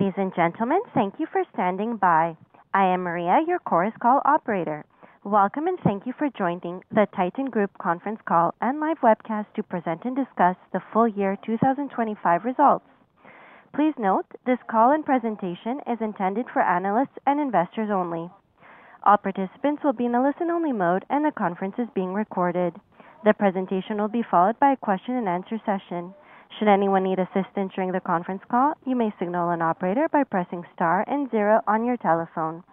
Ladies and gentlemen, thank you for standing by. I am Maria, your Chorus Call operator. Welcome and thank you for joining the Titan Group conference call and live webcast to present and discuss the full year 2025 results. Please note this call and presentation is intended for analysts and investors only. All participants will be in a listen only mode and the conference is being recorded. The presentation will be followed by a question and answer session. Should anyone need assistance during the conference call, you may signal an operator by pressing star and zero on your telephone.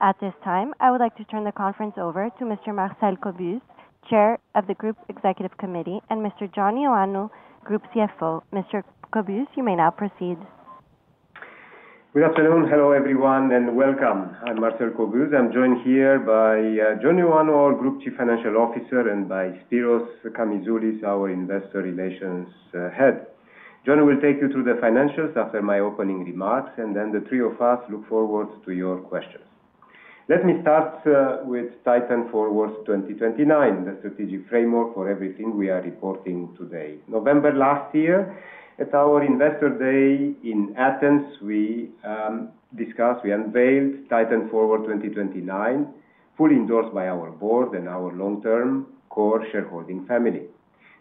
At this time, I would like to turn the conference over to Mr. Marcel Cobuz, Chair of the Group Executive Committee, and Mr. John Ioannou, Group CFO. Mr. Cobuz, you may now proceed. Good afternoon. Hello, everyone, and welcome. I'm Marcel Cobuz. I'm joined here by John Ioannou, our Group Chief Financial Officer, and by Spyros Kamizoulis, our Investor Relations Head. John will take you through the financials after my opening remarks, and then the three of us look forward to your questions. Let me start with Titan Forward 2029, the strategic framework for everything we are reporting today. November last year at our Investor Day in Athens, we unveiled Titan Forward 2029, fully endorsed by our board and our long-term core shareholding family.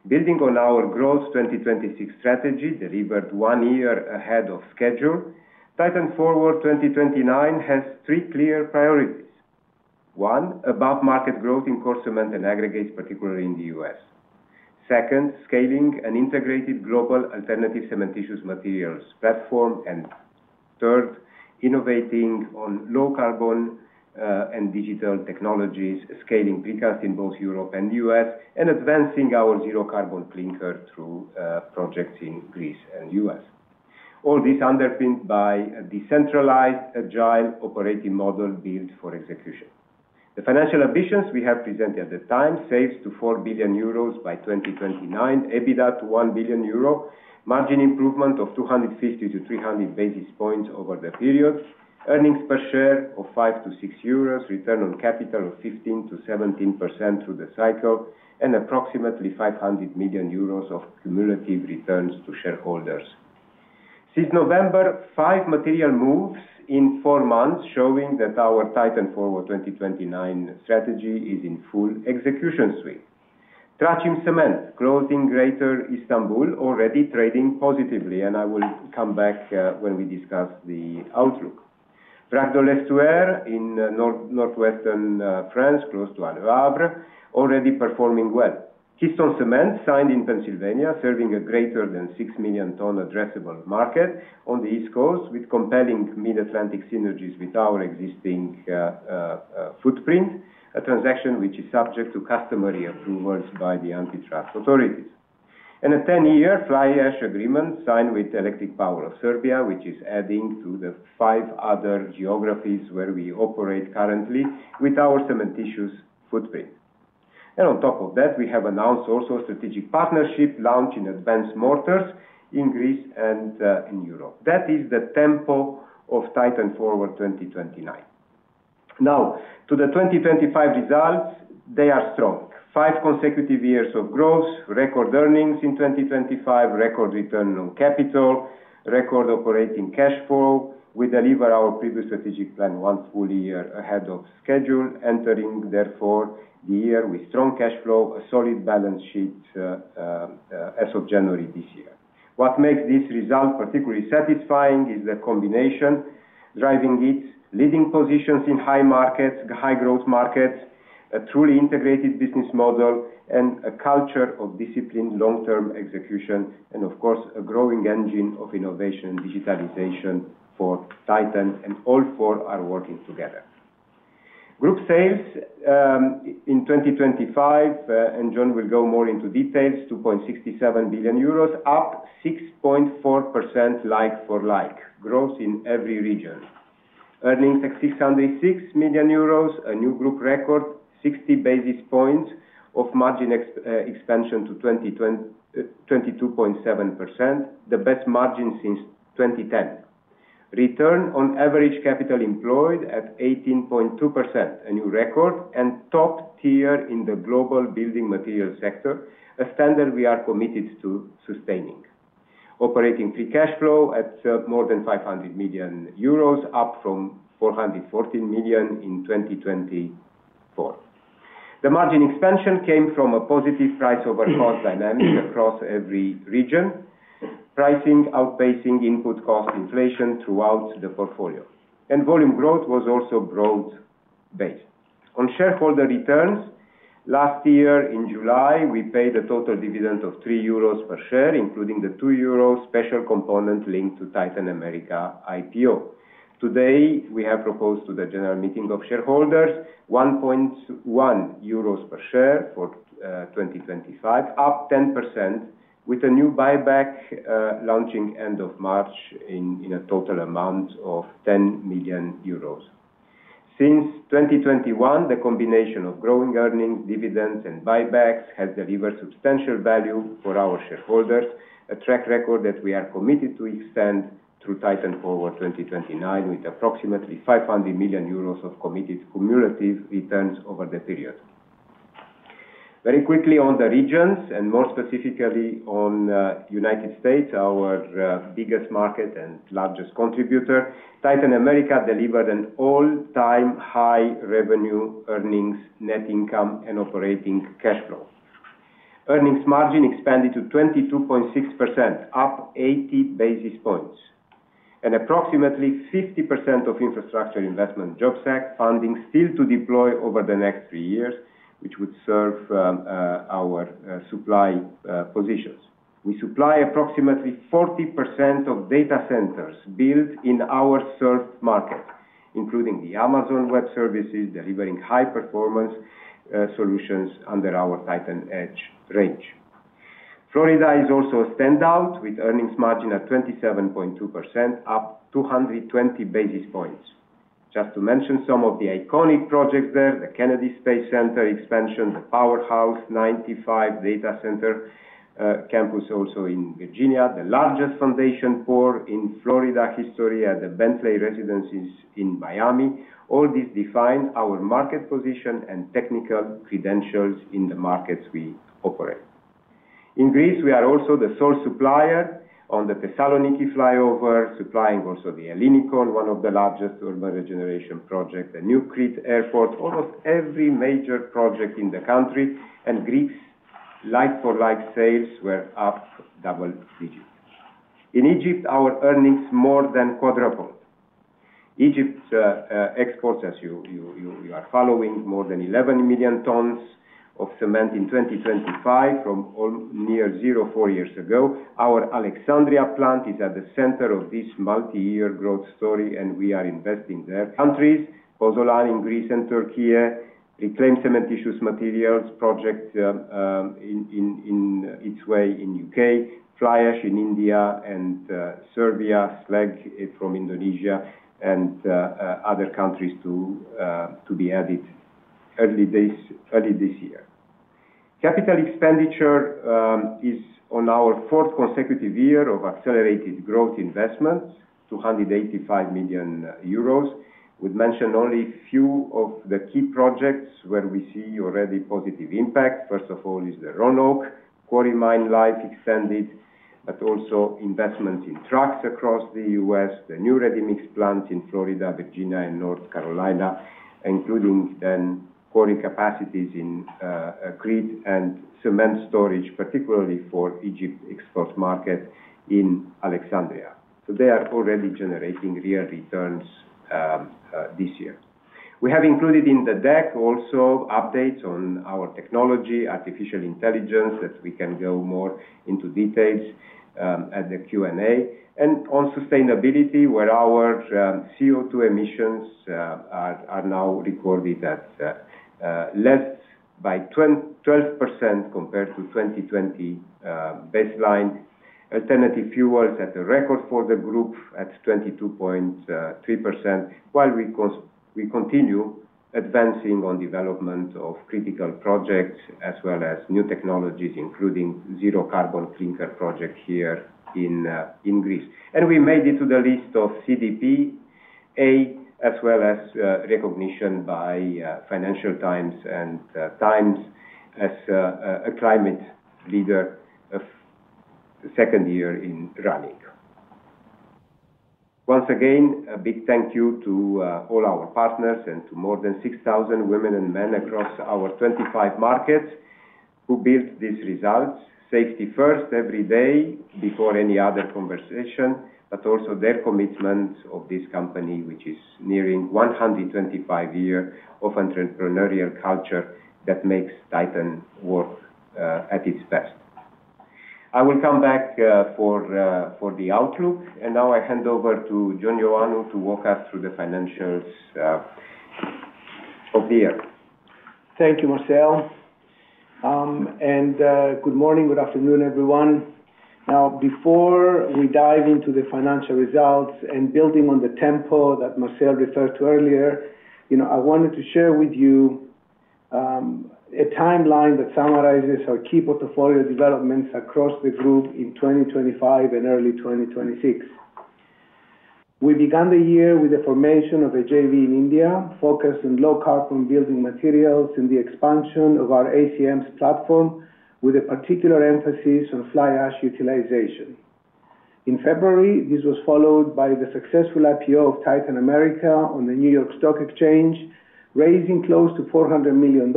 Building on our Growth 2026 strategy delivered one year ahead of schedule, Titan Forward 2029 has three clear priorities. One, above market growth in core cement and aggregates, particularly in the U.S. Second, scaling an integrated global alternative cementitious materials platform. Third, innovating on low carbon and digital technologies, scaling precast in both Europe and U.S., and advancing our zero carbon clinker through projects in Greece and U.S. All this underpinned by a decentralized, agile operating model built for execution. The financial ambitions we have presented at the time, sales to 4 billion euros by 2029, EBITDA to 1 billion euro, margin improvement of 250-300 basis points over the period, earnings per share of 5-6 euros, return on capital of 15%-17% through the cycle, and approximately 500 million euros of cumulative returns to shareholders. Since November, five material moves in four months, showing that our TITAN Forward 2029 strategy is in full execution suite. Traçim Cement growth in Greater Istanbul already trading positively, and I will come back when we discuss the outlook. Vracs de L'Estuaire in North, Northwestern, France, close to Le Havre, already performing well. Keystone Cement Company signed in Pennsylvania, serving a greater than 6 million ton addressable market on the East Coast with compelling mid-Atlantic synergies with our existing footprint, a transaction which is subject to customary approvals by the antitrust authorities. A ten-year fly ash agreement signed with Elektroprivreda Srbije, which is adding to the five other geographies where we operate currently with our cementitious footprint. On top of that, we have announced also strategic partnership launch in advanced mortars in Greece and in Europe. That is the tempo of Titan Forward 2029. Now to the 2025 results. They are strong. Five consecutive years of growth. Record earnings in 2025. Record return on capital. Record operating cash flow. We deliver our previous strategic plan one full year ahead of schedule, entering therefore the year with strong cash flow, a solid balance sheet, as of January this year. What makes this result particularly satisfying is the combination driving it, leading positions in high markets, high growth markets, a truly integrated business model and a culture of disciplined long-term execution, and of course, a growing engine of innovation and digitalization for Titan, and all four are working together. Group sales in 2025, and John will go more into details, 2.67 billion euros, up 6.4% like for like. Growth in every region. Earnings at 606 million euros. A new group record. 60 basis points of margin expansion to 22.7%. The best margin since 2010. Return on average capital employed at 18.2%. A new record and top tier in the global building material sector, a standard we are committed to sustaining. Operating free cash flow at more than 500 million euros, up from 414 million in 2024. The margin expansion came from a positive price over cost dynamic across every region. Pricing outpacing input cost inflation throughout the portfolio. Volume growth was also broad-based. On shareholder returns, last year in July, we paid a total dividend of 3 euros per share, including the 2 euros special component linked to Titan America IPO. Today, we have proposed to the General Meeting of Shareholders 1.1 euros per share for 2025, up 10% with a new buyback launching end of March in a total amount of 10 million euros. Since 2021, the combination of growing earnings, dividends and buybacks has delivered substantial value for our shareholders, a track record that we are committed to extend through Titan Forward 2029, with approximately 500 million euros of committed cumulative returns over the period. Very quickly on the regions and more specifically on United States, our biggest market and largest contributor. Titan America delivered an all-time high revenue, earnings, net income and operating cash flow. Earnings margin expanded to 22.6%, up 80 basis points. Approximately 50% of Infrastructure Investment and Jobs Act funding still to deploy over the next three years, which would serve our supply positions. We supply approximately 40% of data centers built in our served market, including the Amazon Web Services, delivering high performance solutions under our Titan Edge range. Florida is also a standout with earnings margin at 27.2%, up 220 basis points. Just to mention some of the iconic projects there, the Kennedy Space Center expansion, the PowerHouse 95 data center campus also in Virginia, the largest foundation port in Florida history at the Bentley Residences in Miami. All this defines our market position and technical credentials in the markets we operate. In Greece, we are also the sole supplier on the Thessaloniki flyover, supplying also the Ellinikon, one of the largest urban regeneration project, the new Crete Airport. Almost every major project in the country and Greek like-for-like sales were up double digits. In Egypt, our earnings more than quadrupled. Egypt's exports, as you are following, more than 11 million tons of cement in 2025 from near zero four years ago. Our Alexandria plant is at the center of this multi-year growth story, and we are investing there. Countries, Pozzolana in Greece and Turkey, reclaimed cementitious materials project in its way in U.K., fly ash in India and Serbia, slag from Indonesia and other countries to be added early this year. Capital expenditure is on our fourth consecutive year of accelerated growth investments, 285 million euros. We've mentioned only few of the key projects where we see already positive impact. First of all is the Roanoke quarry mine life extended, but also investments in trucks across the U.S., the new ready-mix plant in Florida, Virginia and North Carolina, including then quarry capacities in Crete and cement storage, particularly for Egypt export market in Alexandria. They are already generating real returns this year. We have included in the deck also updates on our technology, artificial intelligence, that we can go more into details at the Q&A. On sustainability, where our CO2 emissions are now recorded at less by 22% compared to 2020 baseline. Alternative fuels at a record for the group at 22.3%, while we continue advancing on development of critical projects as well as new technologies, including zero carbon clinker project here in Greece. We made it to the list of CDP A as well as recognition by Financial Times and Times as a climate leader for the second year running. Once again, a big thank you to all our partners and to more than 6,000 women and men across our 25 markets who built these results. Safety first every day before any other conversation, but also their commitment to this company, which is nearing 125 years of entrepreneurial culture that makes Titan work at its best. I will come back for the outlook. Now I hand over to John Ioannou to walk us through the financials of the year. Thank you, Marcel. Good morning, good afternoon, everyone. Now, before we dive into the financial results and building on the tempo that Marcel referred to earlier, you know, I wanted to share with you, a timeline that summarizes our key portfolio developments across the group in 2025 and early 2026. We began the year with the formation of a JV in India focused on low carbon building materials and the expansion of our ACMs platform, with a particular emphasis on fly ash utilization. In February, this was followed by the successful IPO of Titan America on the New York Stock Exchange, raising close to $400 million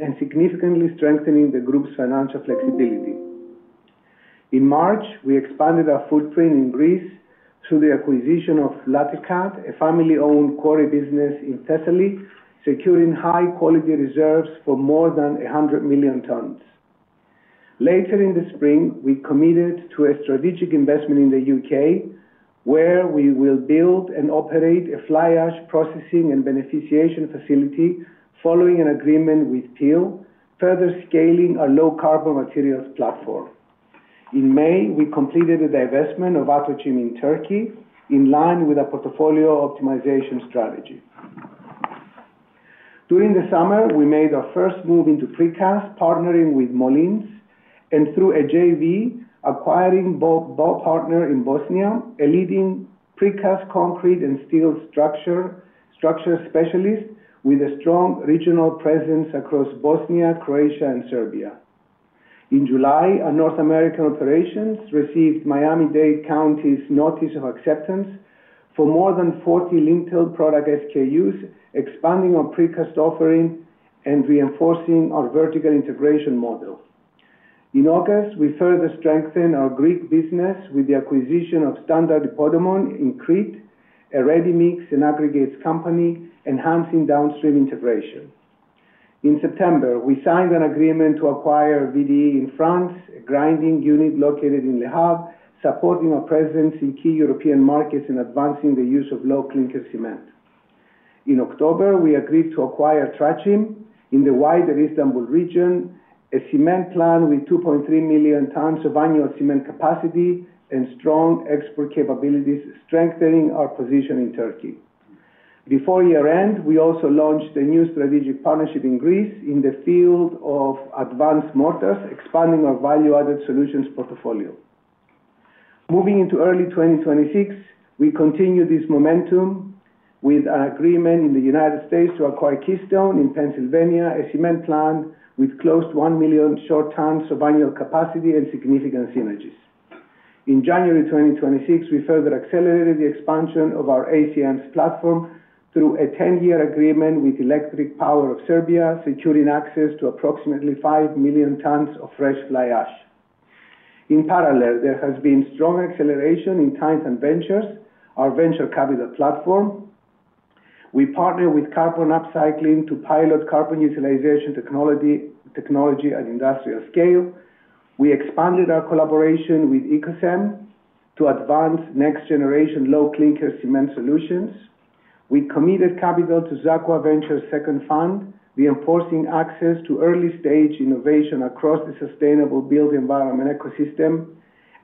and significantly strengthening the group's financial flexibility. In March, we expanded our footprint in Greece through the acquisition of LATEKAT, a family-owned quarry business in Thessaly, securing high quality reserves for more than 100 million tons. Later in the spring, we committed to a strategic investment in the UK, where we will build and operate a fly ash processing and beneficiation facility following an agreement with Peel, further scaling our low carbon materials platform. In May, we completed the divestment of Adocim in Turkey in line with our portfolio optimization strategy. During the summer, we made our first move into precast, partnering with Molins and through a JV, acquiring Baupartner in Bosnia, a leading precast concrete and steel structure specialist with a strong regional presence across Bosnia, Croatia, and Serbia. In July, our North American operations received Miami-Dade County's notice of acceptance for more than 40 lintel product SKUs, expanding our precast offering and reinforcing our vertical integration model. In August, we further strengthened our Greek business with the acquisition of Standard Potamon in Crete, a ready-mix and aggregates company enhancing downstream integration. In September, we signed an agreement to acquire Vracs de L'Estuaire in France, a grinding unit located in Le Havre, supporting our presence in key European markets in advancing the use of low clinker cement. In October, we agreed to acquire Traçim in the wider Istanbul region, a cement plant with 2.3 million tons of annual cement capacity and strong export capabilities, strengthening our position in Turkey. Before year-end, we also launched a new strategic partnership in Greece in the field of advanced mortars, expanding our value-added solutions portfolio. Moving into early 2026, we continued this momentum with an agreement in the United States to acquire Keystone in Pennsylvania, a cement plant with close to 1 million short tons of annual capacity and significant synergies. In January 2026, we further accelerated the expansion of our ACMs platform through a 10-year agreement with Elektroprivreda Srbije, securing access to approximately 5 million tons of fresh fly ash. In parallel, there has been strong acceleration in Titan Ventures, our venture capital platform. We partner with Carbon Upcycling to pilot carbon utilization technology at industrial scale. We expanded our collaboration with Ecocem to advance next generation low-clinker cement solutions. We committed capital to Zacua Ventures second fund, reinforcing access to early-stage innovation across the sustainable built environment ecosystem.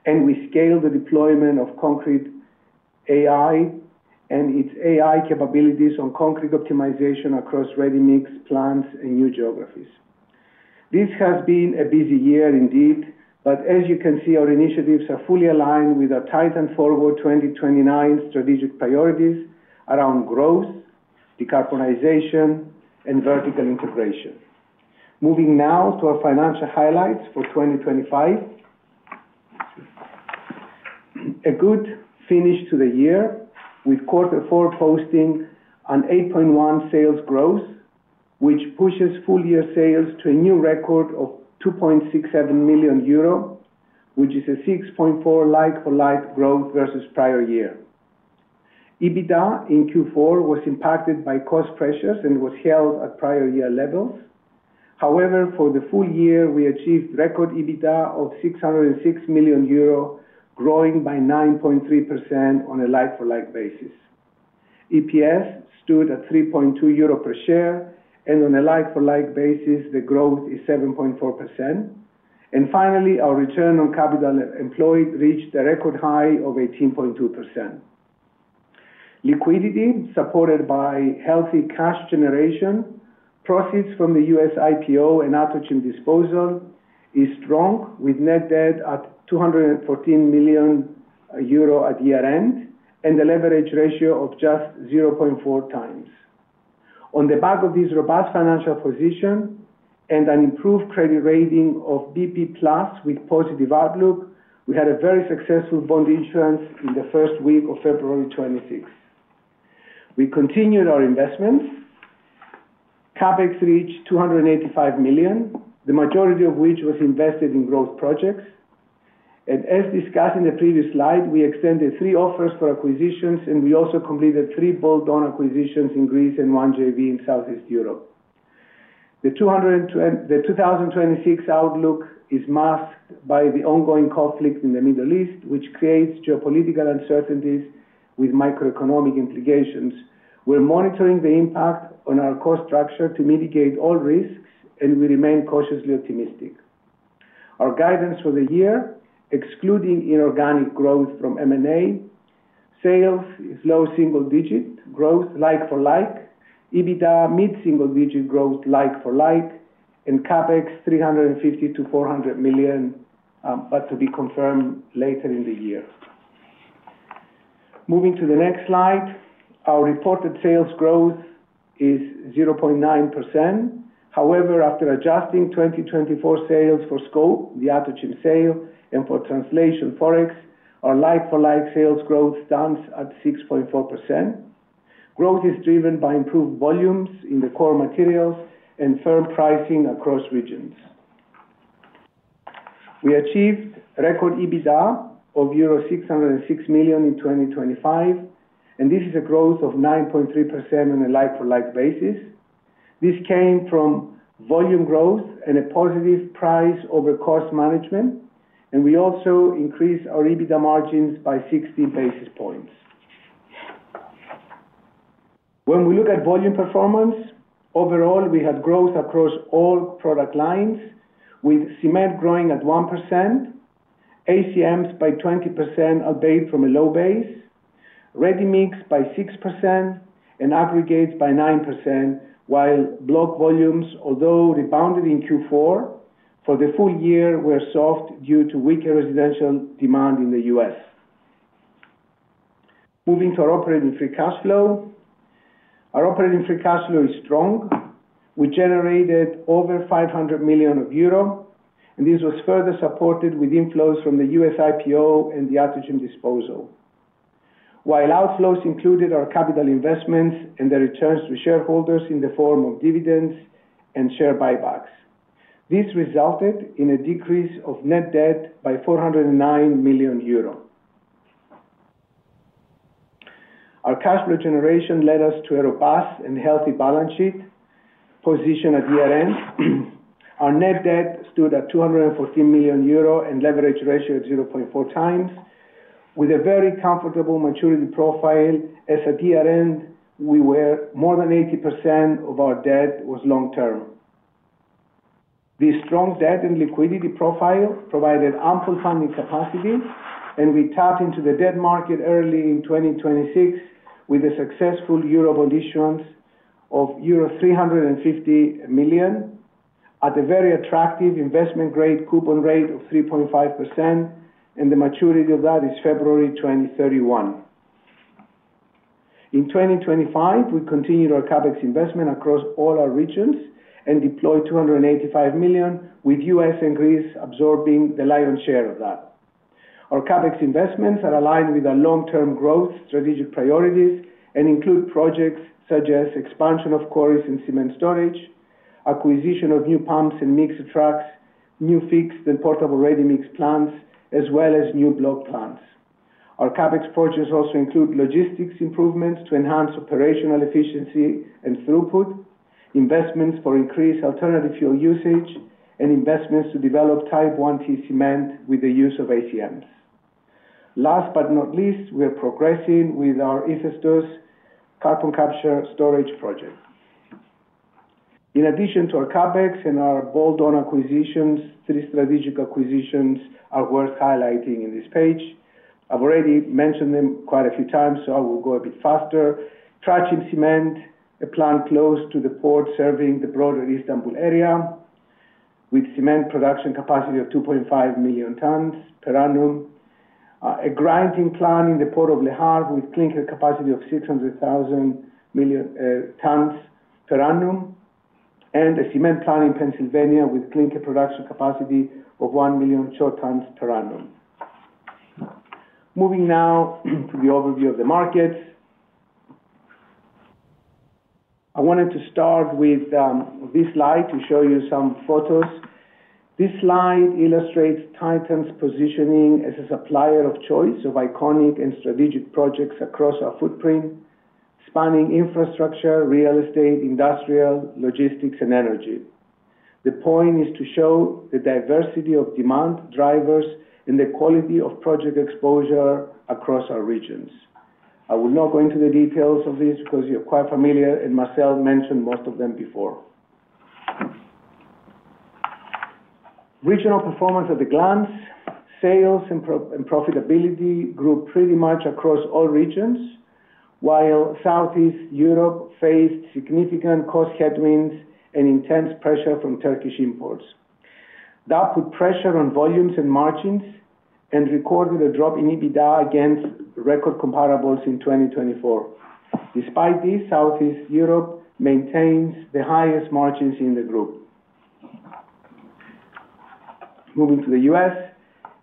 We scaled the deployment of Concrete.ai and its AI capabilities on concrete optimization across ready-mix plants and new geographies. This has been a busy year indeed, but as you can see, our initiatives are fully aligned with our TITAN Forward 2029 strategic priorities around growth, decarbonization, and vertical integration. Moving now to our financial highlights for 2025. A good finish to the year with quarter four posting an 8.1% sales growth, which pushes full-year sales to a new record of 2.67 million euro, which is a 6.4% like-for-like growth versus prior year. EBITDA in Q4 was impacted by cost pressures and was held at prior-year levels. However, for the full year, we achieved record EBITDA of 606 million euro, growing by 9.3% on a like-for-like basis. EPS stood at 3.2 euro per share, and on a like-for-like basis, the growth is 7.4%. Finally, our return on capital employed reached a record high of 18.2%. Liquidity, supported by healthy cash generation, proceeds from the U.S. IPO and Adocim disposal, is strong with net debt at 214 million euro at year-end, and a leverage ratio of just 0.4x. On the back of this robust financial position and an improved credit rating of BB+ with positive outlook, we had a very successful bond issuance in the first week of February 2026. We continued our investments. CapEx reached 285 million, the majority of which was invested in growth projects. As discussed in the previous slide, we extended three offers for acquisitions, and we also completed three bolt-on acquisitions in Greece and one JV in Southeast Europe. The 2026 outlook is masked by the ongoing conflict in the Middle East, which creates geopolitical uncertainties with microeconomic implications. We're monitoring the impact on our cost structure to mitigate all risks, and we remain cautiously optimistic. Our guidance for the year, excluding inorganic growth from M&A, sales is low single digit growth like for like, EBITDA mid-single digit growth like for like, and CapEx 350 million-400 million, but to be confirmed later in the year. Moving to the next slide, our reported sales growth is 0.9%. However, after adjusting 2024 sales for scope, the Adocim sale, and for translation forex, our like-for-like sales growth stands at 6.4%. Growth is driven by improved volumes in the core materials and firm pricing across regions. We achieved record EBITDA of euro 606 million in 2025, and this is a growth of 9.3% on a like-for-like basis. This came from volume growth and a positive price over cost management, and we also increased our EBITDA margins by 60 basis points. When we look at volume performance, overall, we had growth across all product lines, with cement growing at 1%. ACMs by 20% up from a low base, ready-mix by 6%, and aggregates by 9%. While block volumes, although rebounded in Q4, for the full year were soft due to weaker residential demand in the U.S. Moving to our operating free cash flow. Our operating free cash flow is strong. We generated over 500 million euro, and this was further supported with inflows from the US IPO and the Adocim disposal. While outflows included our capital investments and the returns to shareholders in the form of dividends and share buybacks. This resulted in a decrease of net debt by 409 million euros. Our cash flow generation led us to a robust and healthy balance sheet position at year-end. Our net debt stood at 214 million euro and leverage ratio at 0.4x, with a very comfortable maturity profile. As at year-end, more than 80% of our debt was long-term. This strong debt and liquidity profile provided ample funding capacity. We tapped into the debt market early in 2026 with a successful euro bond issuance of euro 350 million at a very attractive investment-grade coupon rate of 3.5%, and the maturity of that is February 2031. In 2025, we continued our CapEx investment across all our regions and deployed 285 million, with U.S. and Greece absorbing the lion's share of that. Our CapEx investments are aligned with our long-term growth strategic priorities and include projects such as expansion of quarries and cement storage, acquisition of new pumps and mixer trucks, new fixed and portable ready-mix plants, as well as new block plants. Our CapEx projects also include logistics improvements to enhance operational efficiency and throughput, investments for increased alternative fuel usage, and investments to develop Type 1L cement with the use of ACMs. Last but not least, we are progressing with our ITESTOS carbon capture storage project. In addition to our CapEx and our bolt-on acquisitions, three strategic acquisitions are worth highlighting in this page. I've already mentioned them quite a few times, so I will go a bit faster. Traçim Cement, a plant close to the port serving the broader Istanbul area with cement production capacity of 2.5 million tons per annum. A grinding plant in the Port of Le Havre with clinker capacity of 600,000 tons per annum, and a cement plant in Pennsylvania with clinker production capacity of 1 million short tons per annum. Moving now to the overview of the markets. I wanted to start with this slide to show you some photos. This slide illustrates Titan's positioning as a supplier of choice of iconic and strategic projects across our footprint, spanning infrastructure, real estate, industrial, logistics, and energy. The point is to show the diversity of demand drivers and the quality of project exposure across our regions. I will not go into the details of this because you're quite familiar, and Marcel mentioned most of them before. Regional performance at a glance. Sales and profitability grew pretty much across all regions. While Southeast Europe faced significant cost headwinds and intense pressure from Turkish imports. That put pressure on volumes and margins and recorded a drop in EBITDA against record comparables in 2024. Despite this, Southeast Europe maintains the highest margins in the group. Moving to the US.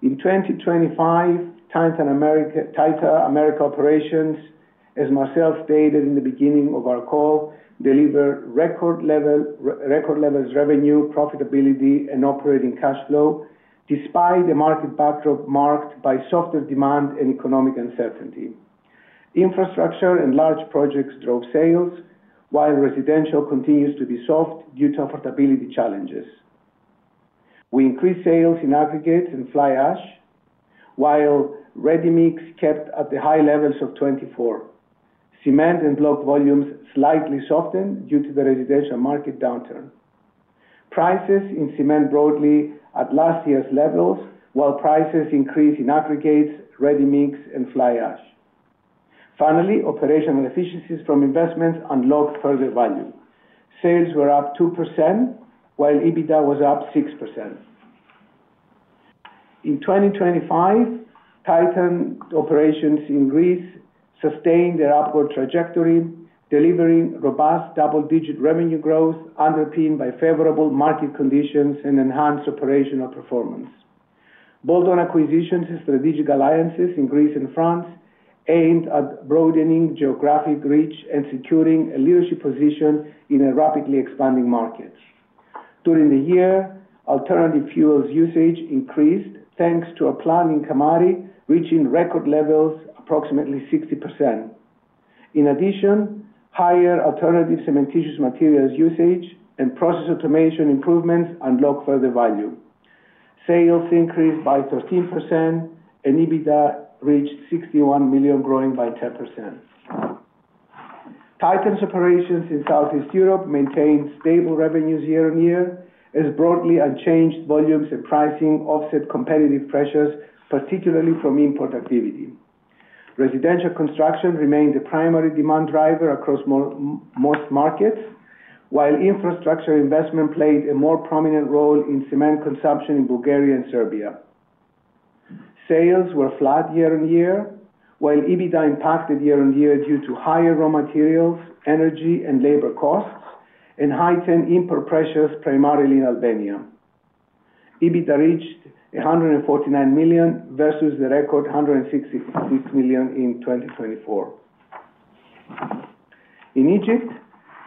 In 2025, Titan America operations, as Marcel stated in the beginning of our call, deliver record levels revenue, profitability, and operating cash flow despite the market backdrop marked by softer demand and economic uncertainty. Infrastructure and large projects drove sales, while residential continues to be soft due to affordability challenges. We increased sales in aggregates and fly ash, while ready-mix kept at the high levels of 2024. Cement and block volumes slightly softened due to the residential market downturn. Prices in cement broadly at last year's levels, while prices increased in aggregates, ready-mix, and fly ash. Finally, operational efficiencies from investments unlocked further value. Sales were up 2%, while EBITDA was up 6%. In 2025, Titan operations in Greece sustained their upward trajectory, delivering robust double-digit revenue growth underpinned by favorable market conditions and enhanced operational performance. Bolt-on acquisitions and strategic alliances in Greece and France aimed at broadening geographic reach and securing a leadership position in a rapidly expanding market. During the year, alternative fuels usage increased thanks to a plant in Kamari, reaching record levels approximately 60%. In addition, higher alternative cementitious materials usage and process automation improvements unlock further value. Sales increased by 13% and EBITDA reached 61 million, growing by 10%. Titan's operations in Southeast Europe maintained stable revenues year-on-year, as broadly unchanged volumes and pricing offset competitive pressures, particularly from import activity. Residential construction remained the primary demand driver across most markets, while infrastructure investment played a more prominent role in cement consumption in Bulgaria and Serbia. Sales were flat year-on-year, while EBITDA impacted year-on-year due to higher raw materials, energy, and labor costs, and heightened import pressures primarily in Albania. EBITDA reached 149 million versus the record 166 million in 2024. In Egypt,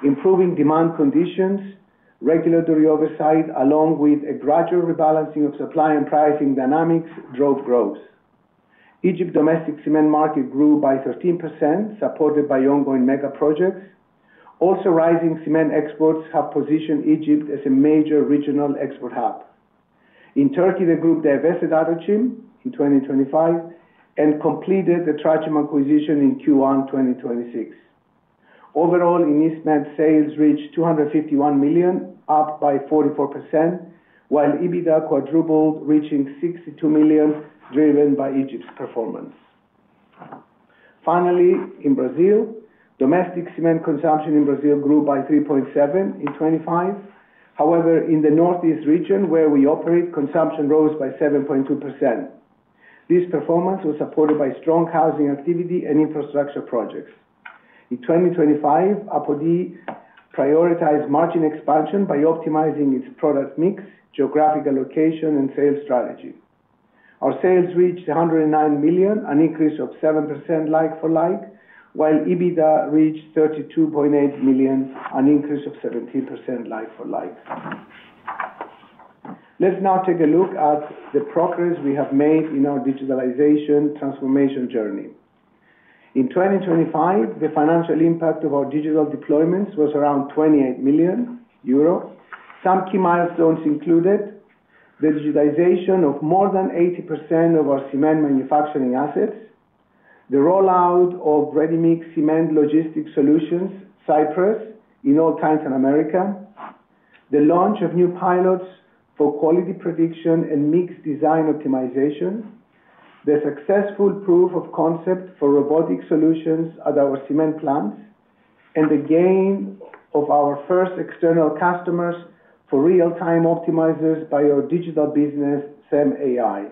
improving demand conditions, regulatory oversight, along with a gradual rebalancing of supply and pricing dynamics drove growth. Egypt domestic cement market grew by 13%, supported by ongoing mega projects. Rising cement exports have positioned Egypt as a major regional export hub. In Turkey, the group divested Adocim in 2025 and completed the Traçim acquisition in Q1 2026. Overall, in East Med, sales reached 251 million, up by 44%, while EBITDA quadrupled, reaching 62 million, driven by Egypt's performance. In Brazil, domestic cement consumption in Brazil grew by 3.7% in 2025. In the northeast region where we operate, consumption rose by 7.2%. This performance was supported by strong housing activity and infrastructure projects. In 2025, Apodi prioritized margin expansion by optimizing its product mix, geographical location, and sales strategy. Our sales reached 109 million, an increase of 7% like-for-like, while EBITDA reached 32.8 million, an increase of 17% like-for-like. Let's now take a look at the progress we have made in our digitalization transformation journey. In 2025, the financial impact of our digital deployments was around 28 million euro. Some key milestones included the digitization of more than 80% of our cement manufacturing assets, the rollout of ready-mix cement logistics solutions, Cyprus in all Titan America, the launch of new pilots for quality prediction and mix design optimization, the successful proof of concept for robotic solutions at our cement plants, and the gain of our first external customers for real-time optimizers by our digital business, CemAI.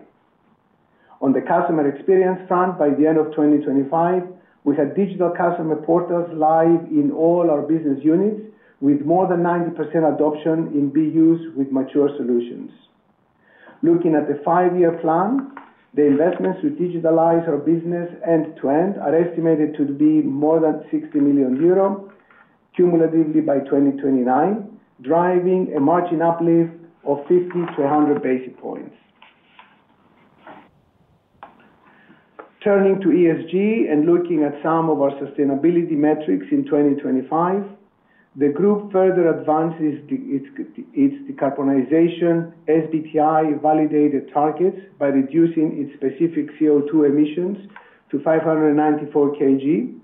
On the customer experience front, by the end of 2025, we had digital customer portals live in all our business units with more than 90% adoption in BUs with mature solutions. Looking at the five-year plan, the investments to digitalize our business end-to-end are estimated to be more than 60 million euro cumulatively by 2029, driving a margin uplift of 50 to 100 basis points. Turning to ESG and looking at some of our sustainability metrics in 2025, the group further advances its decarbonization SBTi-validated targets by reducing its specific CO2 emissions to 594 kg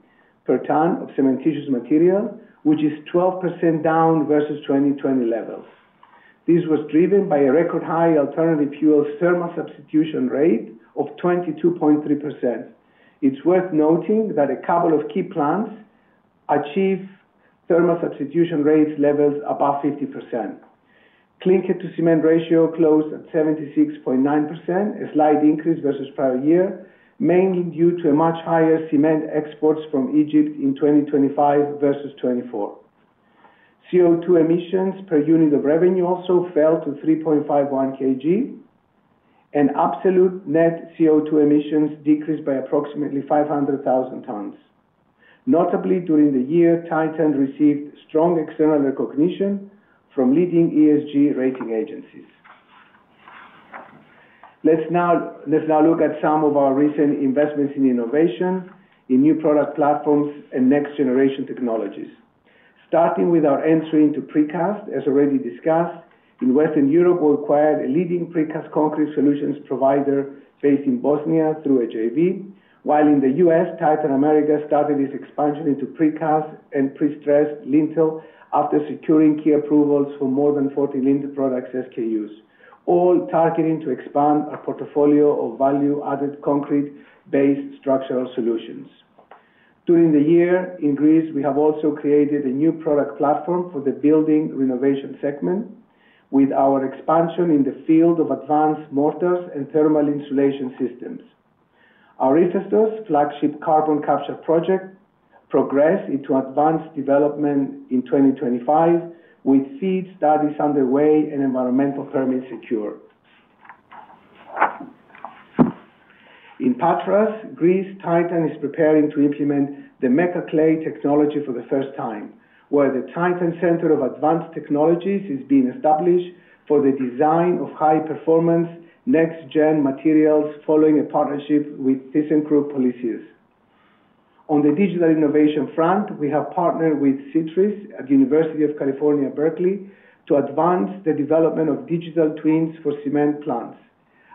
per ton of cementitious material, which is 12% down versus 2020 levels. This was driven by a record high alternative fuel thermal substitution rate of 22.3%. It's worth noting that a couple of key plants achieve thermal substitution rates levels above 50%. Clinker-to-cement ratio closed at 76.9%, a slight increase versus prior year, mainly due to a much higher cement exports from Egypt in 2025 versus 2024. CO2 emissions per unit of revenue also fell to 3.51 kg, and absolute net CO2 emissions decreased by approximately 500,000 tons. Notably, during the year, Titan received strong external recognition from leading ESG rating agencies. Let's now look at some of our recent investments in innovation, in new product platforms, and next-generation technologies. Starting with our entry into precast, as already discussed, in Western Europe, we acquired a leading precast concrete solutions provider based in Bosnia through a JV, while in the U.S., Titan America started its expansion into precast and pre-stressed lintel after securing key approvals for more than 40 lintel products SKUs, all targeting to expand our portfolio of value-added concrete-based structural solutions. During the year, in Greece, we have also created a new product platform for the building renovation segment with our expansion in the field of advanced mortars and thermal insulation systems. Our I-FESTOS flagship carbon capture project progressed into advanced development in 2025, with FEED studies underway and environmental permit secure. In Patras, Greece, Titan is preparing to implement the Mecaclay technology for the first time, where the Titan Center of Advanced Technologies is being established for the design of high-performance next-gen materials following a partnership with thyssenkrupp Polysius. On the digital innovation front, we have partnered with CITRIS at the University of California, Berkeley, to advance the development of digital twins for cement plants.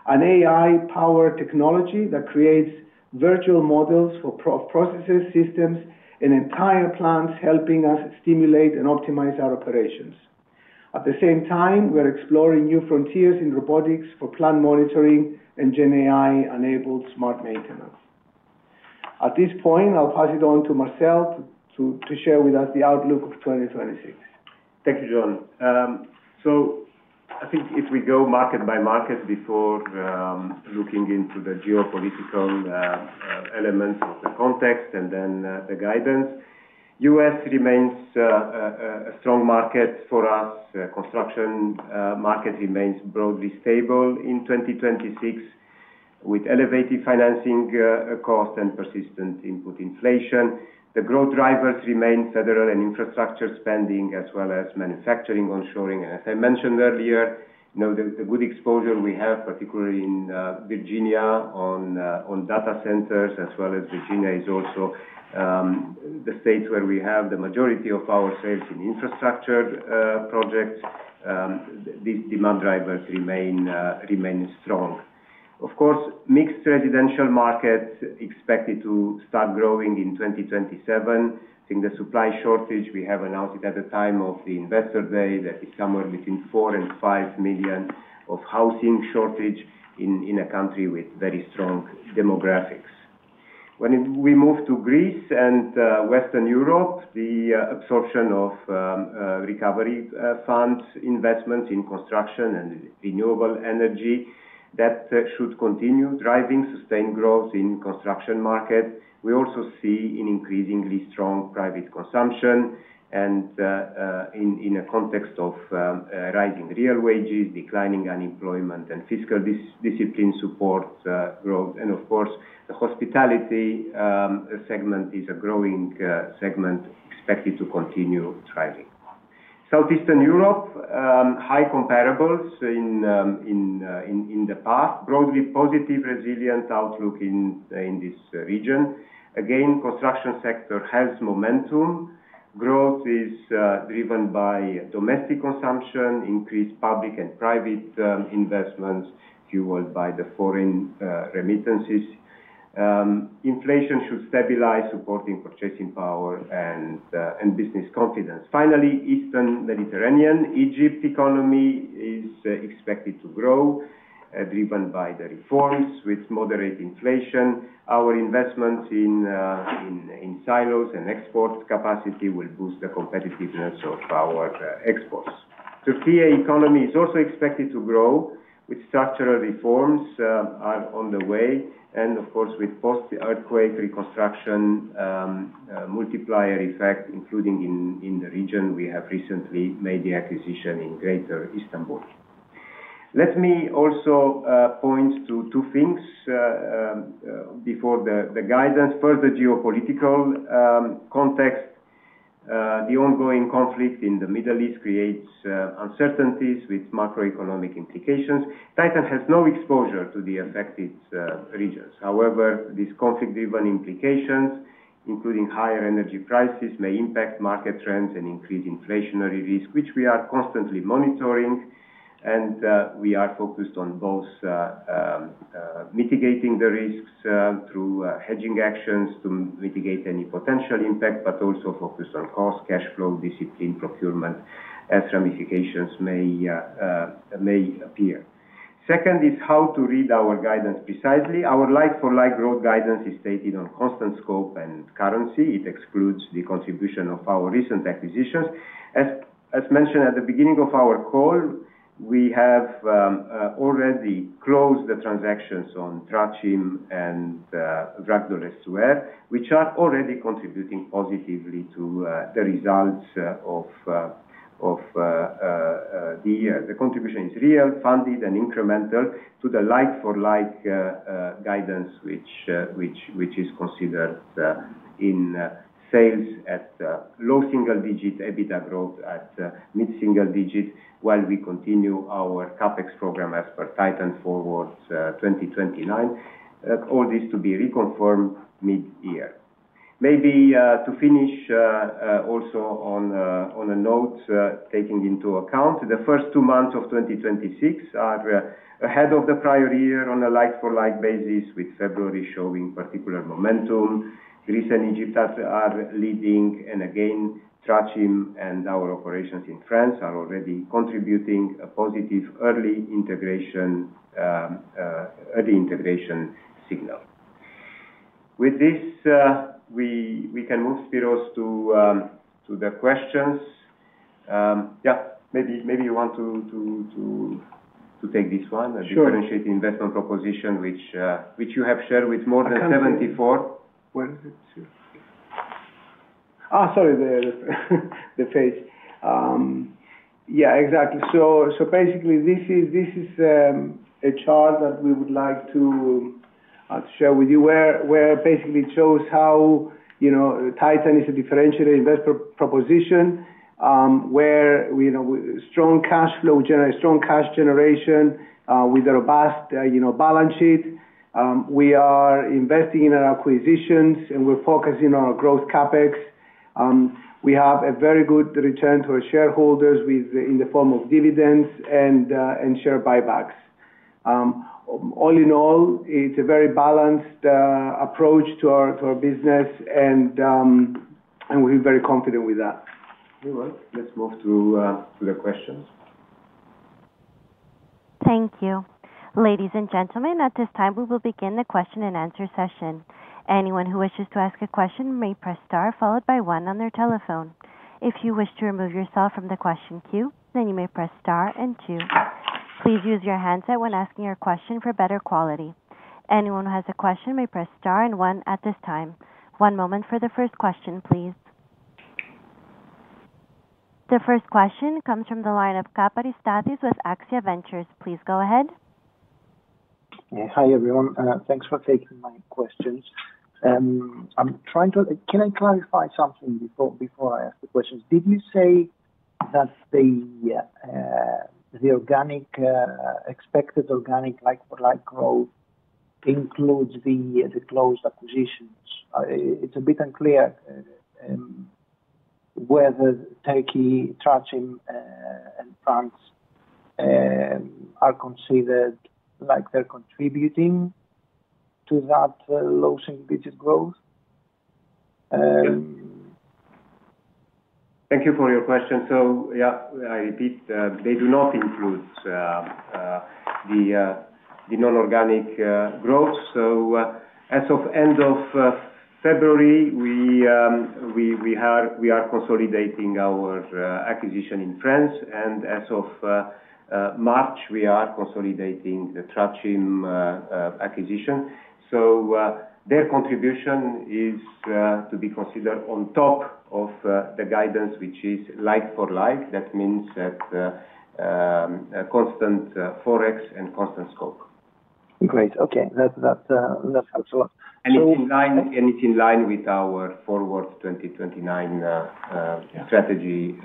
An AI-powered technology that creates virtual models for processes, systems, and entire plants helping us simulate and optimize our operations. At the same time, we are exploring new frontiers in robotics for plant monitoring and GenAI-enabled smart maintenance. At this point, I'll pass it on to Marcel to share with us the outlook of 2026. Thank you, John. So I think if we go market by market before looking into the geopolitical elements of the context and then the guidance. U.S. remains a strong market for us. Construction market remains broadly stable in 2026 with elevated financing cost and persistent input inflation. The growth drivers remain federal and infrastructure spending, as well as manufacturing onshoring. As I mentioned earlier, you know, the good exposure we have, particularly in Virginia on data centers, as well as Virginia is also the state where we have the majority of our sales in infrastructure projects. These demand drivers remain strong. Of course, mixed residential markets expected to start growing in 2027. I think the supply shortage, we have announced it at the time of the Investor Day, that is somewhere between 4 million and 5 million of housing shortage in a country with very strong demographics. When we move to Greece and Western Europe, the absorption of recovery funds, investments in construction and renewable energy, that should continue driving sustained growth in construction market. We also see an increasingly strong private consumption and in a context of rising real wages, declining unemployment, and fiscal discipline support growth. Of course, the hospitality segment is a growing segment expected to continue thriving. Southeastern Europe, high comparables in the past. Broadly positive resilient outlook in this region. Again, construction sector has momentum. Growth is driven by domestic consumption, increased public and private investments fueled by the foreign remittances. Inflation should stabilize supporting purchasing power and business confidence. Finally, Eastern Mediterranean. Egypt economy is expected to grow driven by the reforms with moderate inflation. Our investments in silos and export capacity will boost the competitiveness of our exports. Turkey economy is also expected to grow with structural reforms are on the way, and of course, with post-earthquake reconstruction multiplier effect, including in the region we have recently made the acquisition in Greater Istanbul. Let me also point to two things before the guidance. Further geopolitical context. The ongoing conflict in the Middle East creates uncertainties with macroeconomic implications. Titan has no exposure to the affected regions. However, these conflict-driven implications, including higher energy prices, may impact market trends and increase inflationary risk, which we are constantly monitoring. We are focused on both mitigating the risks through hedging actions to mitigate any potential impact, but also focused on cost, cash flow, discipline, procurement as ramifications may appear. Second is how to read our guidance precisely. Our like-for-like growth guidance is stated on constant scope and currency. It excludes the contribution of our recent acquisitions. As mentioned at the beginning of our call, we have already closed the transactions on Traçim and Vracs de L'Estuaire, which are already contributing positively to the results. The contribution is real, funded, and incremental to the like-for-like guidance, which is considered in sales at low single digit, EBITDA growth at mid-single digit, while we continue our CapEx program as per TITAN Forward 2029. All this to be reconfirmed mid-year. Maybe to finish also on a note, taking into account the first two months of 2026 are ahead of the prior year on a like-for-like basis, with February showing particular momentum. Greece and Egypt are leading, and again, Traçim and our operations in France are already contributing a positive early integration signal. With this, we can move, Spyros, to the questions. Yeah, maybe you want to take this one. Sure. A differentiating investment proposition which you have shared with more than 74. I can. Where is it? Sorry, the page. Yeah, exactly. Basically, this is a chart that we would like to share with you where basically it shows how, you know, Titan is a differentiated investment proposition, where, you know, strong cash generation with a robust, you know, balance sheet. We are investing in our acquisitions, and we're focusing on our growth CapEx. We have a very good return to our shareholders in the form of dividends and share buybacks. All in all, it's a very balanced approach to our business and we're very confident with that. Very well. Let's move to the questions. Thank you. Ladies and gentlemen, at this time, we will begin the question and answer session. Anyone who wishes to ask a question may press star followed by one on their telephone. If you wish to remove yourself from the question queue, then you may press star and two. Please use your handset when asking your question for better quality. Anyone who has a question may press star and one at this time. One moment for the first question, please. The first question comes from the line of Stathis Kaparis with AXIA Ventures Group. Please go ahead. Yeah. Hi, everyone. Thanks for taking my questions. Can I clarify something before I ask the questions? Did you say that the expected organic like-for-like growth includes the closed acquisitions? It's a bit unclear whether Turkey, Traçim, and France are considered like they're contributing to that low single digit growth. Thank you for your question. I repeat, they do not include the non-organic growth. As of end of February, we are consolidating our acquisition in France, and as of March, we are consolidating the Traçim acquisition. Their contribution is to be considered on top of the guidance, which is like for like. That means that a constant FOREX and constant scope. Great. Okay. That helps a lot. It's in line with our TITAN Forward 2029. Yeah. Strategy,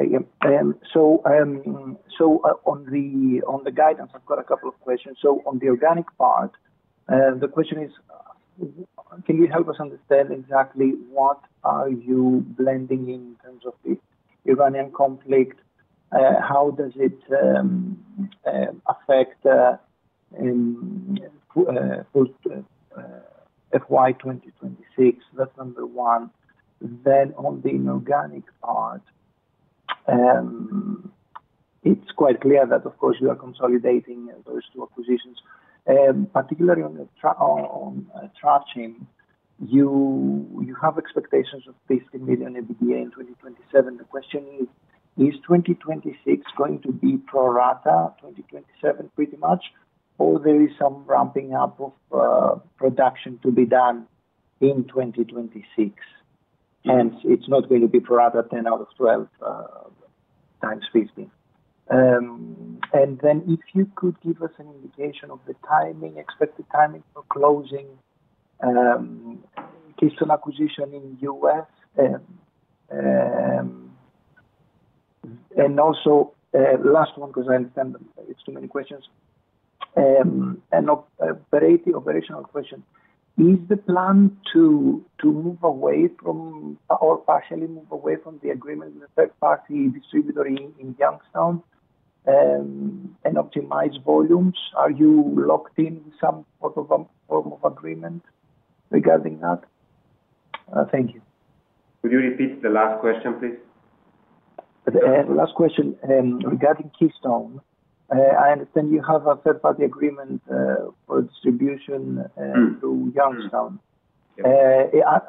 estimation. On the guidance, I've got a couple of questions. On the organic part, the question is, can you help us understand exactly what are you blending in terms of the Iranian conflict? How does it affect post FY 2026? That's number one. On the inorganic part, it's quite clear that, of course, you are consolidating those two acquisitions. Particularly on the Traçim, you have expectations of EUR 50 million EBITDA in 2027. The question is 2026 going to be pro rata 2027 pretty much, or there is some ramping up of production to be done in 2026? Yeah. It's not going to be pro rata 10 out of 12 times 50. If you could give us an indication of the timing, expected timing for closing Keystone acquisition in the U.S. Also, last one, because I understand it's too many questions. An operational question. Is the plan to move away from or partially move away from the agreement with the third-party distributor in Youngstown and optimize volumes? Are you locked in some sort of form of agreement regarding that? Thank you. Could you repeat the last question, please? The last question regarding Keystone. I understand you have a third party agreement for distribution. Mm. To Youngstown. Yeah.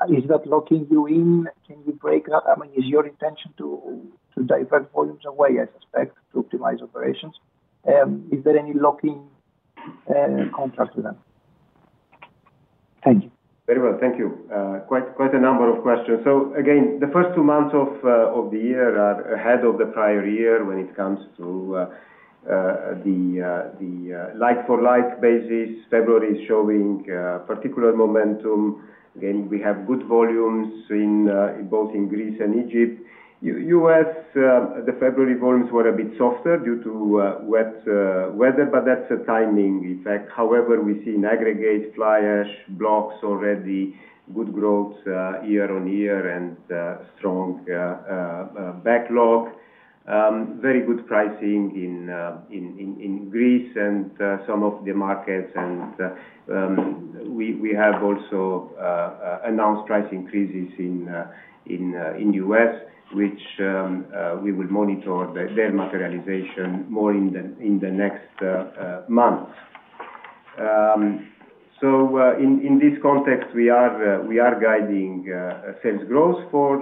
Is that locking you in? Can you break that? I mean, is your intention to divert volumes away, I suspect, to optimize operations? Is there any locking contract with them? Thank you. Very well. Thank you. Quite a number of questions. Again, the first two months of the year are ahead of the prior year when it comes to the like-for-like basis. February is showing particular momentum. Again, we have good volumes in both Greece and Egypt. U.S., the February volumes were a bit softer due to wet weather, but that's a timing effect. However, we've seen aggregate fly ash blocks already, good growth year-on-year and strong backlog. Very good pricing in Greece and some of the markets. We have also announced price increases in the U.S., which we will monitor their materialization more in the next months. In this context, we are guiding sales growth for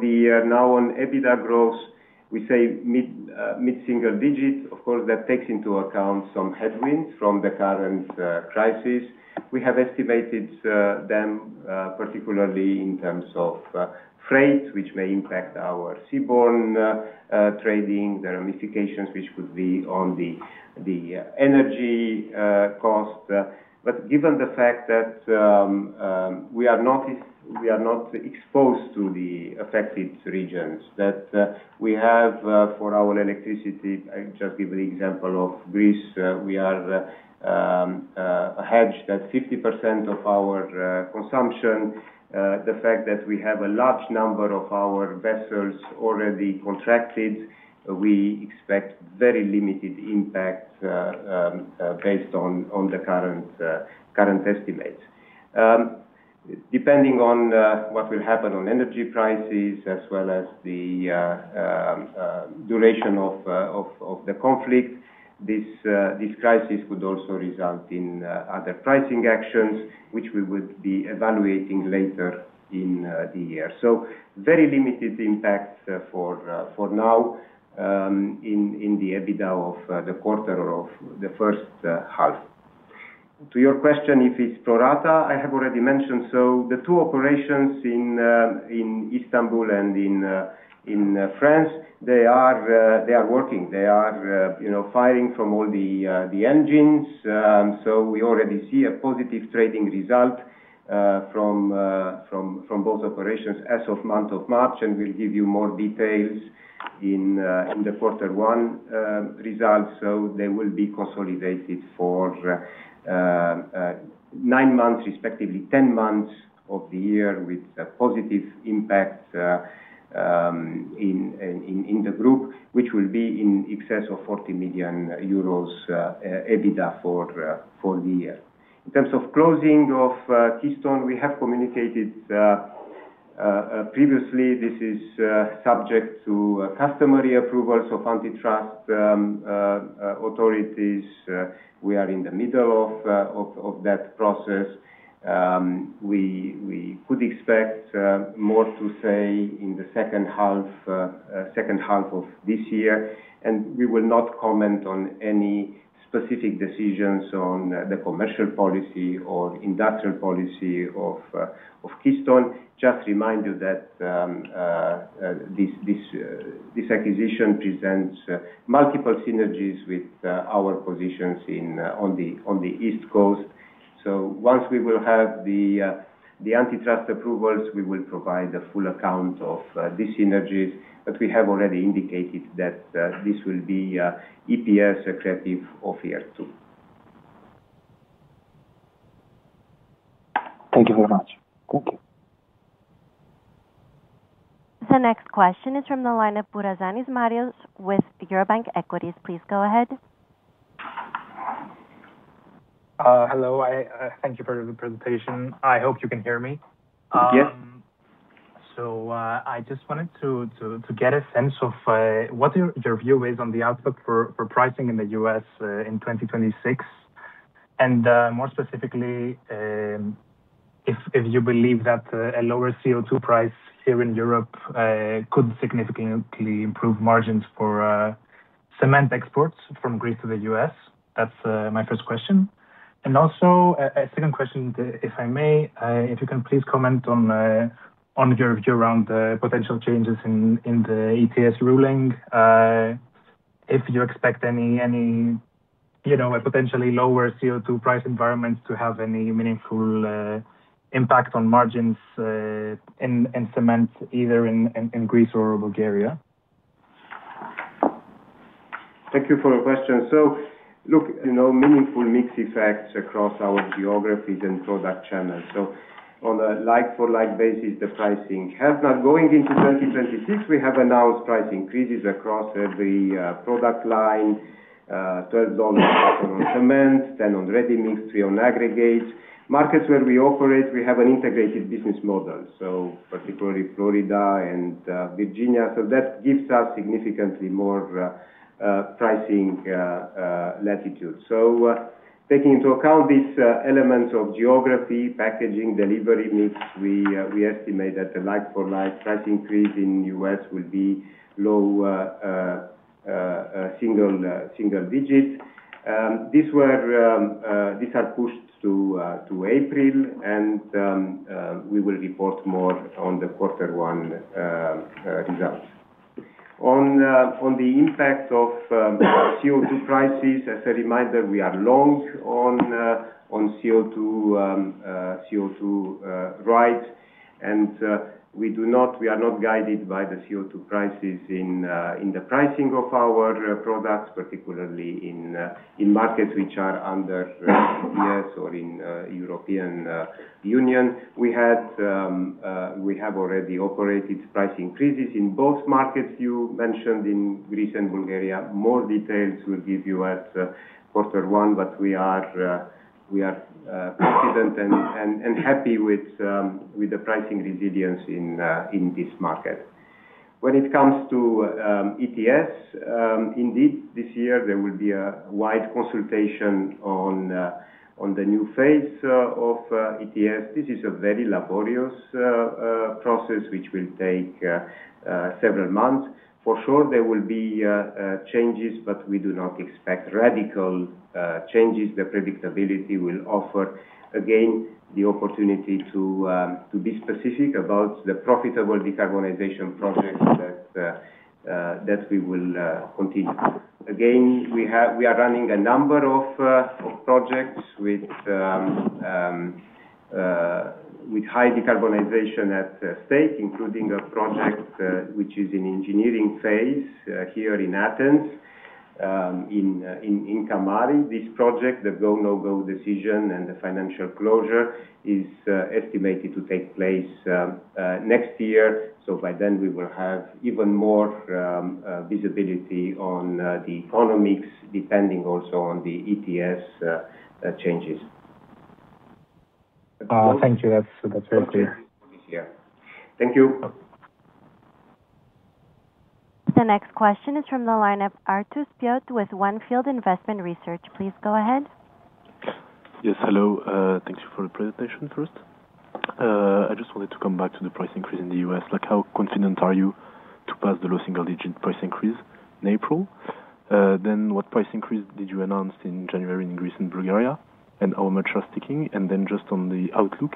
the year. Now on EBITDA growth, we say mid-single digits. Of course, that takes into account some headwinds from the current crisis. We have estimated them particularly in terms of freight, which may impact our seaborne trading, the ramifications which could be on the energy cost. But given the fact that we are not exposed to the affected regions that we have for our electricity, I just give the example of Greece. We are hedged at 50% of our consumption. The fact that we have a large number of our vessels already contracted, we expect very limited impact based on the current estimates. Depending on what will happen on energy prices as well as the duration of the conflict, this crisis could also result in other pricing actions, which we would be evaluating later in the year. Very limited impact for now in the EBITDA of the quarter of the first half. To your question, if it's pro rata, I have already mentioned. The two operations in Istanbul and in France, they are working. They are, you know, firing from all the engines. We already see a positive trading result from both operations as of month of March, and we'll give you more details in the quarter one results. They will be consolidated for nine months, respectively 10 months of the year, with a positive impact in the group, which will be in excess of 40 million euros EBITDA for the year. In terms of closing of Keystone, we have communicated previously this is subject to customary approvals of antitrust authorities. We are in the middle of that process. We could expect more to say in the second half of this year. We will not comment on any specific decisions on the commercial policy or industrial policy of Keystone. Just remind you that this acquisition presents multiple synergies with our positions on the East Coast. Once we will have the antitrust approvals, we will provide a full account of these synergies. We have already indicated that this will be EPS accretive of year two. Thank you very much. Thank you. The next question is from the line of Marios Bourazanis with Eurobank Equities. Please go ahead. Hello. I thank you for the presentation. I hope you can hear me. Yes. I just wanted to get a sense of what your view is on the outlook for pricing in the U.S. in 2026. More specifically, if you believe that a lower CO2 price here in Europe could significantly improve margins for cement exports from Greece to the U.S. That's my first question. Also a second question, if I may, if you can please comment on your view around potential changes in the ETS ruling, if you expect any, you know, a potentially lower CO2 price environment to have any meaningful impact on margins in cement, either in Greece or Bulgaria? Thank you for your question. Look, you know, meaningful mix effects across our geographies and product channels. On a like-for-like basis, the pricing has been going into 2026. We have announced price increases across every product line, $12 on cement, then on ready-mix, $3 on aggregate. Markets where we operate, we have an integrated business model, particularly Florida and Virginia. That gives us significantly more pricing latitude. Taking into account these elements of geography, packaging, delivery mix, we estimate that the like-for-like price increase in U.S. will be low single digits. These are pushed to April, and we will report more on the Q1 results. On the impact of CO2 prices, as a reminder, we are long on CO2, right. We are not guided by the CO2 prices in the pricing of our products, particularly in markets which are under ETS or in the European Union. We have already operated price increases in both markets you mentioned in Greece and Bulgaria. More details we'll give you at quarter one, but we are confident and happy with the pricing resilience in this market. When it comes to ETS, indeed this year there will be a wide consultation on the new phase of ETS. This is a very laborious process, which will take several months. For sure there will be changes, but we do not expect radical changes. The predictability will offer, again, the opportunity to be specific about the profitable decarbonization projects that we will continue. Again, we are running a number of projects with high decarbonization at stake, including a project which is in engineering phase here in Athens, in Kamari. This project, the go, no-go decision and the financial closure is estimated to take place next year. By then we will have even more visibility on the economics, depending also on the ETS changes. Thank you. That's very clear. Yeah. Thank you. The next question is from the line of Arthur Piatte with Onefield Investment Research. Please go ahead. Yes, hello. Thank you for the presentation first. I just wanted to come back to the price increase in the U.S. Like, how confident are you to pass the low single digit price increase in April? Then what price increase did you announce in January in Greece and Bulgaria, and how much are sticking? And then just on the outlook,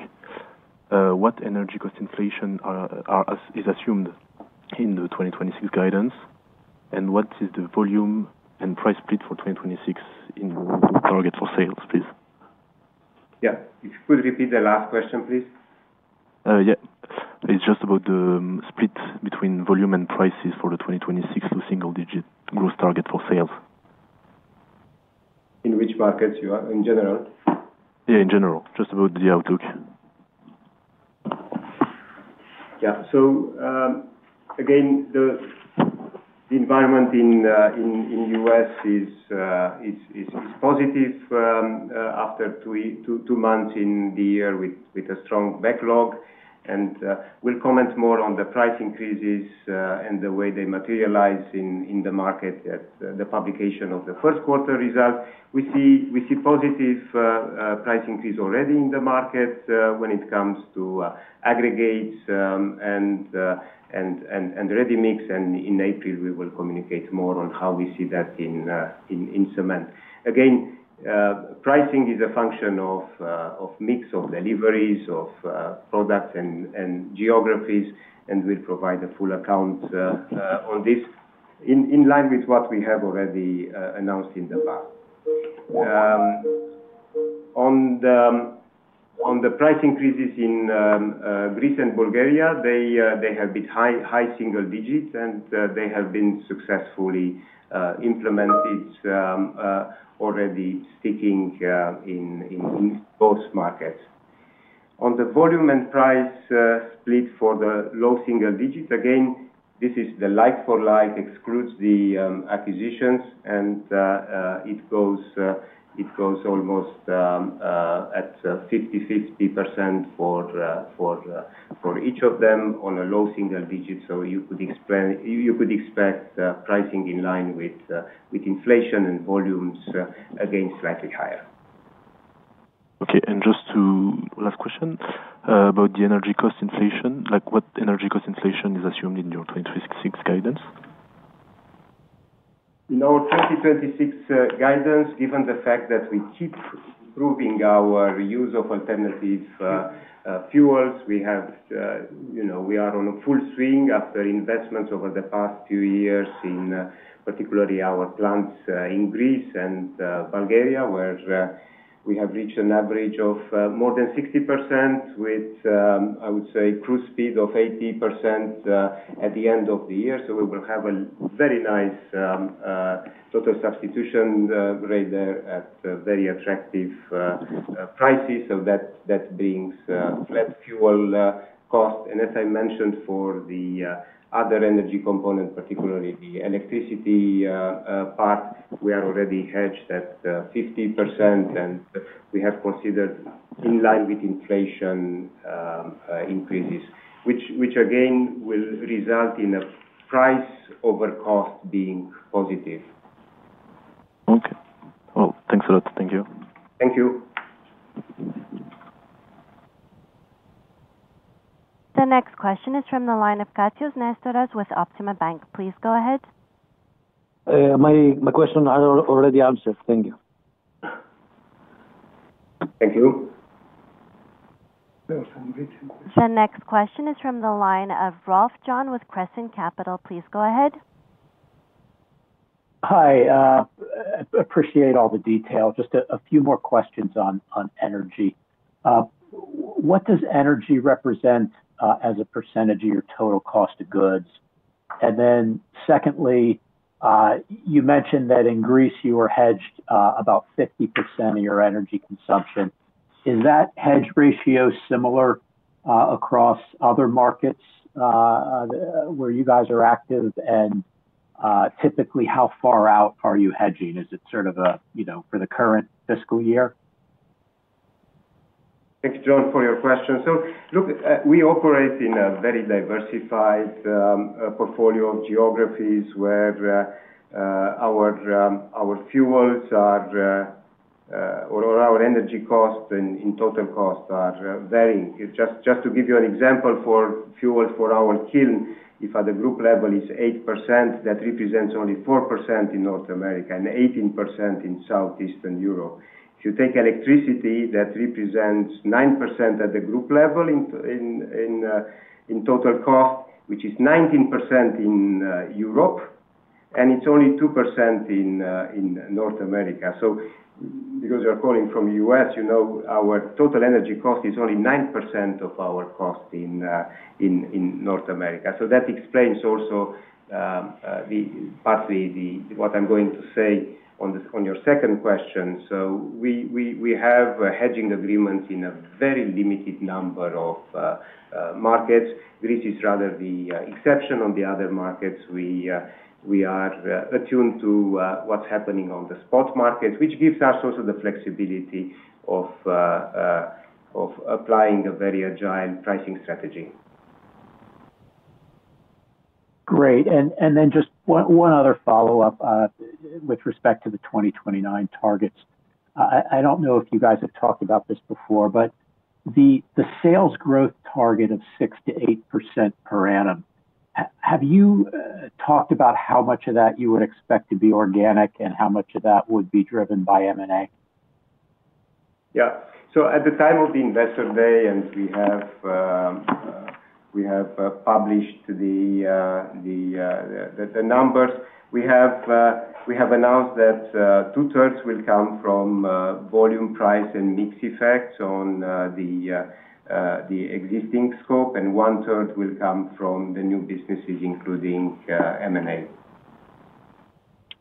what energy cost inflation is assumed in the 2026 guidance, and what is the volume and price split for 2026 in target for sales, please? Yeah. If you could repeat the last question, please. It's just about the split between volume and prices for the 2026 low single-digit growth target for sales. In which markets are you in general? Yeah, in general, just about the outlook. Again, the environment in the U.S. is positive after two months in the year with a strong backlog, and we'll comment more on the price increases and the way they materialize in the market at the publication of the first quarter results. We see positive price increase already in the market when it comes to aggregates and ready-mix. In April, we will communicate more on how we see that in cement. Again, pricing is a function of mix of deliveries of products and geographies, and we'll provide a full account on this in line with what we have already announced in the past. On the price increases in Greece and Bulgaria, they have been high single digits, and they have been successfully implemented already sticking in both markets. On the volume and price split for the low single digits, again, this is the like for like, excludes the acquisitions and it goes almost at 50/50 percent for each of them on a low single digits. You could expect pricing in line with inflation and volumes again slightly higher. Just one last question about the energy cost inflation, like what energy cost inflation is assumed in your 2026 guidance? In our 2026 guidance, given the fact that we keep improving our use of alternative fuels, we have you know we are on a full swing after investments over the past few years in particularly our plants in Greece and Bulgaria, where we have reached an average of more than 60% with I would say cruise speed of 80% at the end of the year. We will have a very nice total substitution rate there at very attractive prices. That brings less fuel cost. As I mentioned for the other energy components, particularly the electricity part, we are already hedged at 50%, and we have considered in line with inflation increases, which again will result in a price over cost being positive. Okay. Well, thanks a lot. Thank you. Thank you. The next question is from the line of Nestoras Katsios with Optima Bank. Please go ahead. My question are already answered. Thank you. Thank you. The next question is from the line of John Rolfe with Crescent Capital Group. Please go ahead. Hi. Appreciate all the detail. Just a few more questions on energy. What does energy represent as a percentage of your total cost of goods? Then secondly, you mentioned that in Greece you were hedged about 50% of your energy consumption. Is that hedge ratio similar across other markets where you guys are active? Typically, how far out are you hedging? Is it sort of, you know, for the current fiscal year? Thanks, John, for your question. Look, we operate in a very diversified portfolio of geographies where our fuels are or our energy costs in total costs are varying. Just to give you an example, for fuels for our kiln, if at the group level it's 8%, that represents only 4% in North America and 18% in Southeastern Europe. If you take electricity, that represents 9% at the group level in total cost, which is 19% in Europe, and it's only 2% in North America. Because you're calling from U.S., you know our total energy cost is only 9% of our cost in North America. That explains also partly what I'm going to say on this, on your second question. We have hedging agreements in a very limited number of markets. This is rather the exception on the other markets. We are attuned to what's happening on the spot market, which gives us also the flexibility of applying a very agile pricing strategy. Great. Then just one other follow-up with respect to the 2029 targets. I don't know if you guys have talked about this before, but the sales growth target of 6%-8% per annum, have you talked about how much of that you would expect to be organic and how much of that would be driven by M&A? Yeah. At the time of the Investor Day, we have published the numbers. We have announced that two-thirds will come from volume, price and mix effects on the existing scope, and one-third will come from the new businesses, including M&A.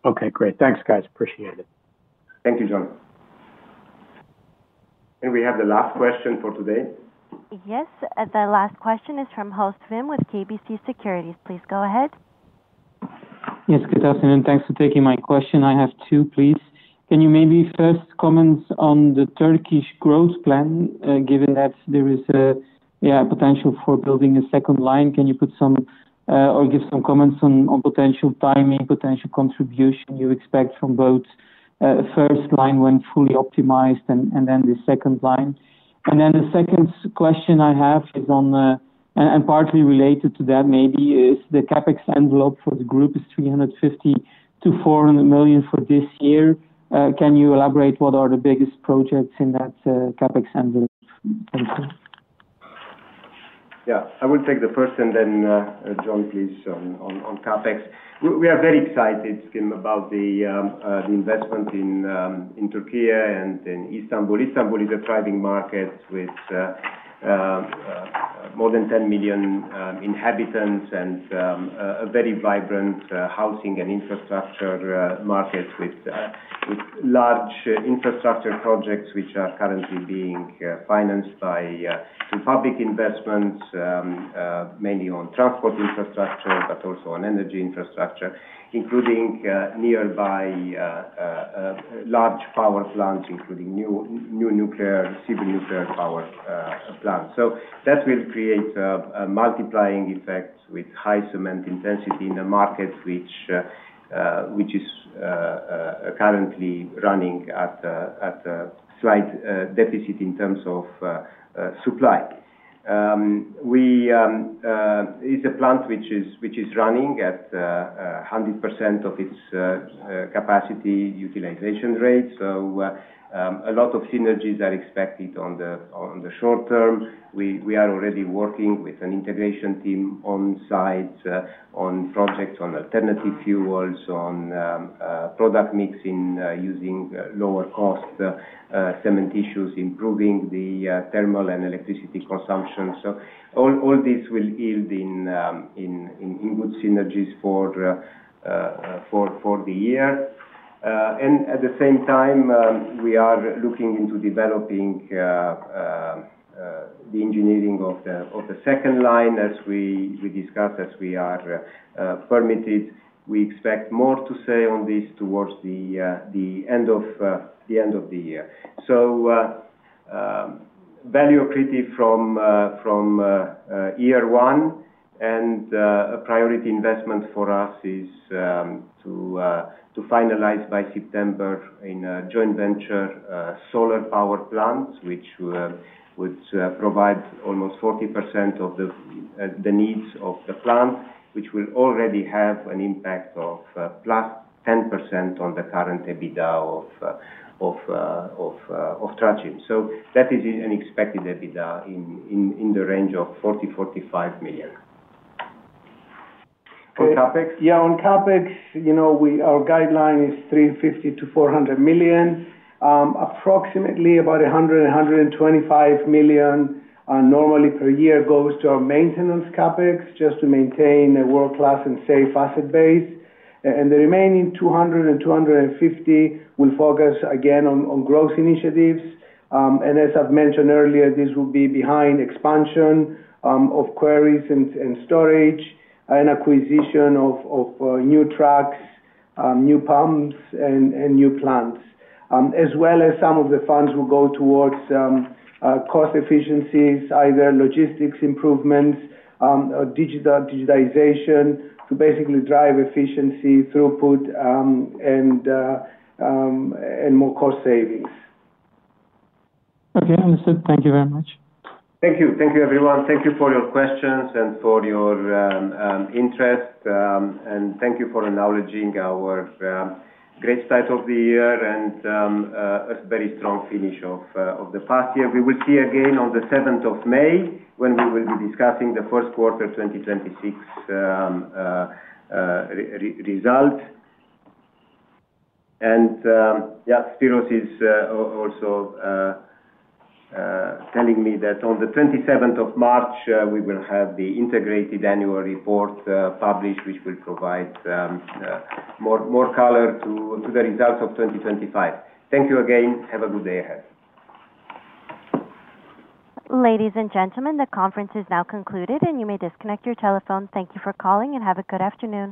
Okay, great. Thanks, guys. Appreciate it. Thank you, John. We have the last question for today. Yes. The last question is from Wim Hoste with KBC Securities. Please go ahead. Yes. Good afternoon. Thanks for taking my question. I have two, please. Can you maybe first comment on the Turkish growth plan, given that there is a potential for building a second line? Can you give some comments on potential timing, potential contribution you expect from both first line when fully optimized and then the second line? The second question I have is partly related to that, maybe. The CapEx envelope for the group is 350 million-400 million for this year. Can you elaborate what are the biggest projects in that CapEx envelope? Thank you. Yeah. I will take the first and then, John, please, on CapEx. We are very excited, Wim, about the investment in Turkey and in Istanbul. Istanbul is a thriving market with more than 10 million inhabitants and a very vibrant housing and infrastructure market with large infrastructure projects, which are currently being financed by some public investments, mainly on transport infrastructure, but also on energy infrastructure, including nearby large power plants, including new nuclear civil nuclear power plants. That will create a multiplying effect with high cement intensity in the market which is currently running at a slight deficit in terms of supply. It's a plant which is running at 100% of its capacity utilization rate. A lot of synergies are expected in the short term. We are already working with an integration team on site on projects, on alternative fuels, on product mixing, using lower cost cementitious, improving the thermal and electricity consumption. All this will yield good synergies for the year. At the same time, we are looking into developing the engineering of the second line as we discuss, as we are permitted. We expect more to say on this towards the end of the year. Value accretive from year one and a priority investment for us is to finalize by September in a joint venture solar power plant, which provides almost 40% of the needs of the plant, which will already have an impact of +10% on the current EBITDA of Traçim. That is an expected EBITDA in the range of 40 million-45 million. For CapEx? Yeah. On CapEx, our guideline is 350 million-400 million. Approximately, about 100 million-125 million normally per year goes to our maintenance CapEx just to maintain a world-class and safe asset base. And the remaining 200 million-250 million will focus again on growth initiatives. And as I've mentioned earlier, this will be behind expansion of quarries and storage and acquisition of new trucks, new pumps and new plants. As well as some of the funds will go towards cost efficiencies, either logistics improvements or digitization to basically drive efficiency, throughput and more cost savings. Okay. Understood. Thank you very much. Thank you. Thank you, everyone. Thank you for your questions and for your interest. Thank you for acknowledging our great start of the year and a very strong finish of the past year. We will see you again on the seventh of May when we will be discussing the first quarter 2026 result. Spyros is also telling me that on the March 27th we will have the integrated annual report published, which will provide more color to the results of 2025. Thank you again. Have a good day ahead. Ladies and gentlemen, the conference is now concluded and you may disconnect your telephone. Thank you for calling and have a good afternoon.